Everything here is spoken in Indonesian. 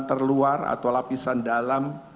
terluar atau lapisan dalam